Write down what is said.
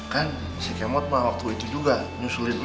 kan si kemot mah waktu itu juga nyusulin om